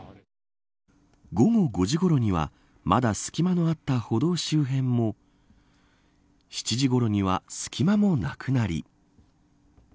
午後５時ごろにはまだ隙間のあった歩道周辺も７時ごろには隙間もなくなり。